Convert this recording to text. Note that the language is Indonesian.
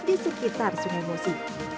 di sekitar sungai musi